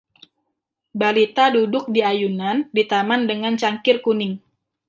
Balita duduk di ayunan di taman dengan cangkir kuning.